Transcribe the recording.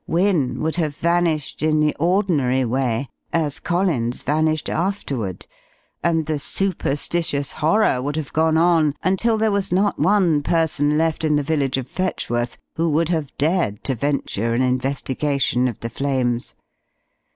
Wynne would have vanished in the ordinary way, as Collins vanished afterward, and the superstitious horror would have gone on until there was not one person left in the village of Fetchworth who would have dared to venture an investigation of the flames.